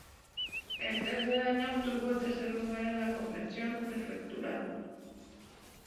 En tercer año obtuvo el tercer lugar en la convención prefectural.